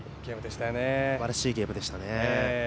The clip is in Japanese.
すばらしいゲームでしたね。